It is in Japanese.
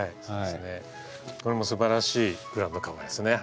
これもすばらしいグラウンドカバーですね。